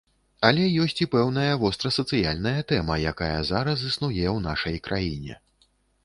Але ёсць і пэўная вострасацыяльная тэма, якая зараз існуе ў нашай краіне.